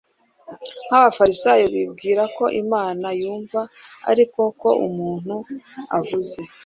nk Abafarisayo Bibwira ko Imana yumva ari uko umuntu avuze